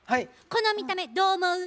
この見た目どう思う？